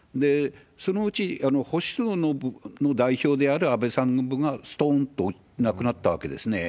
そのうち、保守層の代表である安倍さんがすとんとなくなったわけですね。